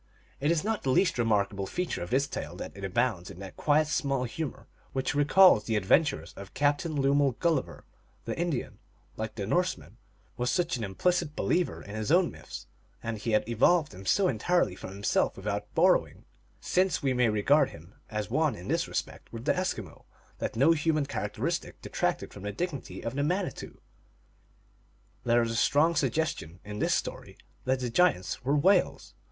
It is not. the least remarkable feature of this tale that it abounds in that quiet small humor which re calls the adventures of Captain Lemuel Gulliver. The Indian, like the Norseman, was such an implicit believer in his own myths, and he had evolved them so entirely from himself without borrowing, since we may regard him as one in this respect with the Eskimo, that no human characteristic detracted from the dignity of the Manitou, There is a strong suggestion in this story that the giants were whales.